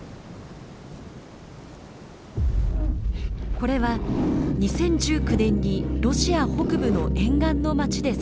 これは２０１９年にロシア北部の沿岸の町で撮影された映像。